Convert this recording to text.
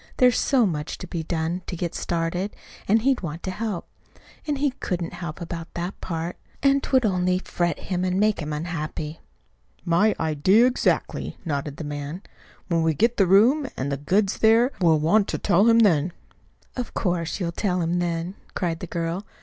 There's so much to be done to get started, and he'd want to help. And he couldn't help about that part; and't would only fret him and make him unhappy." "My idea exactly," nodded the man. "When we get the room, and the goods there, we'll want to tell him then." "Of course, you'll tell him then," cried the girl.